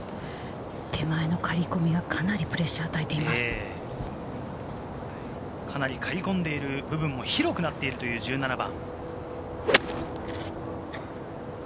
手前の苅り込みがかなりかなり刈り込んでいる部分も広くなっているという１７番。